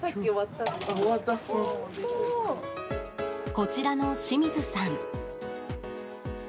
こちらの清水さん。